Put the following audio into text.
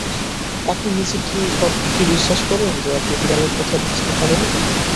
আপনি নিজে কি বিশ্বাস করেন যে আপনি বিড়ালের কথা বুঝতে পারেন?